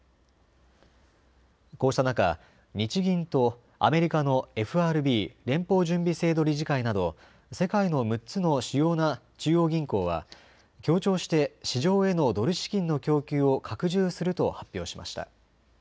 こうした中、日銀とアメリカのＦＲＢ・連邦準備制度理事会など世界の６つの主要な中央銀行は協調して市場へのドル資金の供給を拡充すると発表しました。